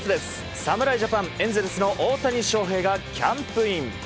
侍ジャパンエンゼルスの大谷翔平がキャンプイン。